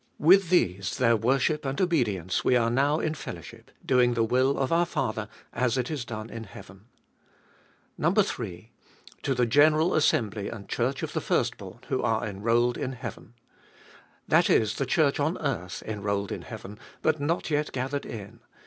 With these, their worship and obedience, we are now in fellowship, doing the will of our Father as it is done in heaven. 3. To the general assembly and Church of the firstborn who are enrolled in heaven. That is, the Church on earth, enrolled in heaven, but not yet gathered in.